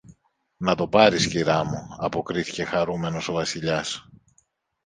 Να το πάρεις, Κυρά μου, αποκρίθηκε χαρούμενος ο Βασιλιάς.